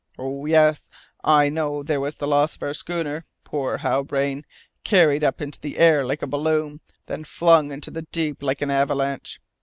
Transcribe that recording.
Oh, yes, I know, there was the loss of our schooner! Poor Halbrane, carried up into the air like a balloon, then flung into the deep like an avalanche!